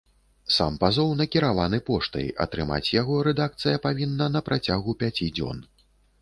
Сам пазоў накіраваны поштай, атрымаць яго рэдакцыя павінна на працягу пяці дзён.